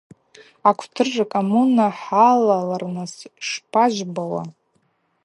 Акъвтыр ркоммуна хӏалалырныс шпажвбауа?